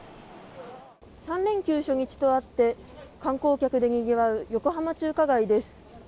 ３連休初日とあって観光客でにぎわう横浜中華街です。